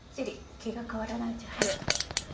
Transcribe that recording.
気が変わらないうちに早く撮って。